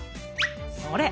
それ！